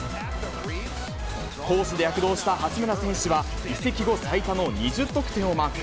攻守で躍動した八村選手は、移籍後最多の２０得点をマーク。